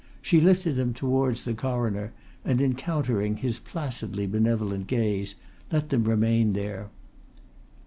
She lifted them towards the Coroner and, encountering his placidly benevolent gaze, let them remain there.